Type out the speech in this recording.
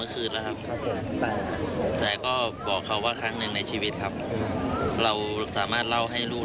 คือความคุ้มใจในตัวลูก